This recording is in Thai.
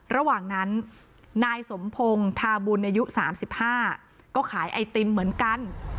ระหว่างนั้นนายสมพงศ์ทาบุญอายุ๓๕ก็ขายไอติมเหมือนกัน